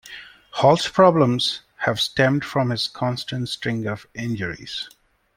Hall's problems have stemmed from his constant string of injuries.